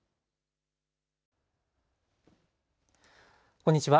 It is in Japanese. こんにちは。